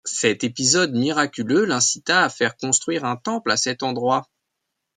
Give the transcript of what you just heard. Cet épisode miraculeux l'incita à faire construire un temple à cet endroit.